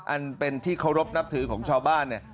อันเป็นที่เคารพนับถือของชาวบ้านเนี่ย